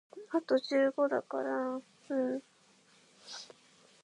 The client and server are two separate entities that communicate over a network.